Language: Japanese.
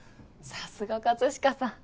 さすが葛飾さん